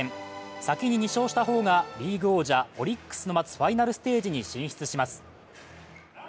先に２勝した方がリーグ王者・オリックスの待つファイナルステージに進出します。